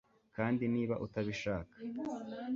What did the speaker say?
kandi niba utabishaka